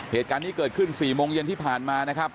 เหตุการณ์นี้เกิดขึ้น๔โมงเย็นที่ผ่านมานะครับ